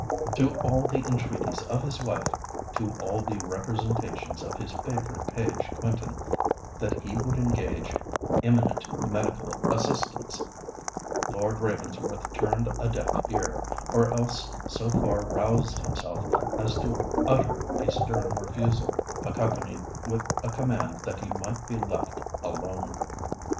To all the entreaties of his wife—to all the representations of his favourite page Quentin, that he would engage eminent medical assistance, Lord Ravensworth turned a deaf ear, or else so far roused himself as to utter a stern refusal, accompanied with a command that he might be left alone.